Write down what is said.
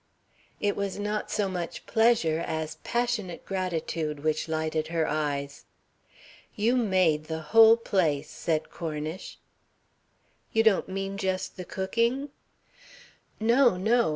It was not so much pleasure as passionate gratitude which lighted her eyes. "You made the whole place," said Cornish. "You don't mean just the cooking?" "No, no.